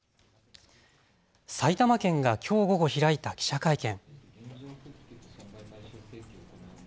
埼玉県がきょう午後、開いた記者会見。